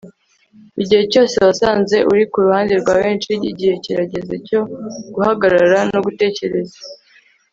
Igihe cyose wasanze uri kuruhande rwa benshi igihe kirageze cyo guhagarara no gutekereza